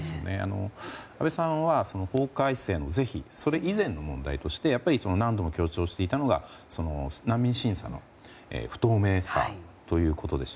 阿部さんは、法改正の是非それ以前の問題として何度も強調していたのが難民審査の不透明さということでした。